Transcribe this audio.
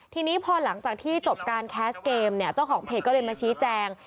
ทีนี้พอหลังจากที่จบการแคสเกมเนี่ยเจ้าของเพจก็เลยมาชี้แจง